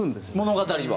物語は？